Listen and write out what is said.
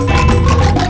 masih gak diangkat